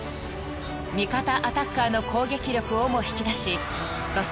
［味方アタッカーの攻撃力をも引き出しロス